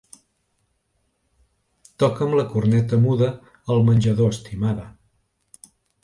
Toca'm la corneta muda al menjador, estimada.